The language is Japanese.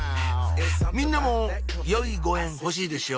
みんなも良いご縁欲しいでしょう？